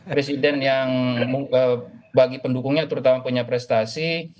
presiden yang bagi pendukungnya terutama punya prestasi